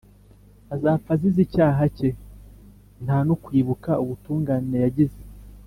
Azapfa azize icyaha cye ntan'ukwibuka ubutungane yagize,